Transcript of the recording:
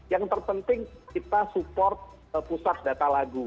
yang terpenting kita support pusat data lagu